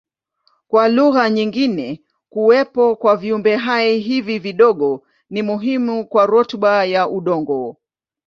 Kwa lugha nyingine kuwepo kwa viumbehai hivi vidogo ni muhimu kwa rutuba ya udongo.